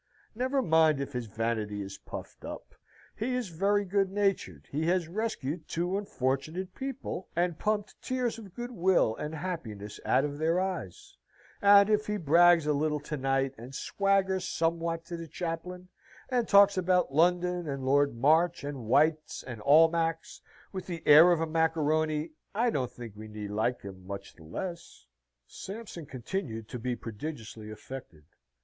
Never mind if his vanity is puffed up; he is very good natured; he has rescued two unfortunate people, and pumped tears of goodwill and happiness out of their eyes: and if he brags a little to night, and swaggers somewhat to the chaplain, and talks about London, and Lord March, and White's, and Almack's, with the air of a macaroni, I don't think we need like him much the less. Sampson continued to be prodigiously affected.